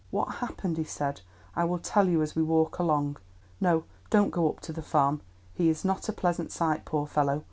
"What happened," he said, "I will tell you as we walk along. No, don't go up to the farm. He is not a pleasant sight, poor fellow.